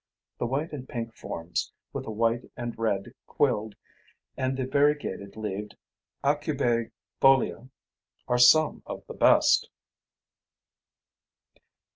The white and pink forms, with the white and red quilled, and the variegated leaved aucubaefolia, are some of the best.